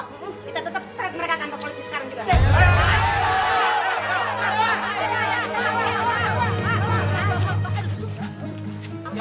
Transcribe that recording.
kita tetep seret mereka ke kantor polisi sekarang juga